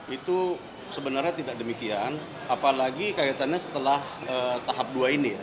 itu sebenarnya tidak demikian apalagi kaitannya setelah tahap dua ini ya